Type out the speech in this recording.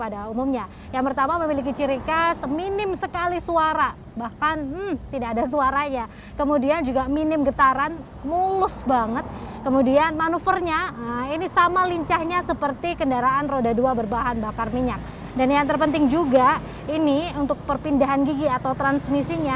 dan ini kami sudah koordinasi juga dengan pln